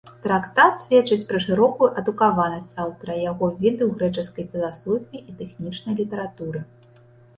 Трактат сведчыць пра шырокую адукаванасць аўтара, яго веды ў грэчаскай філасофскай і тэхнічнай літаратуры.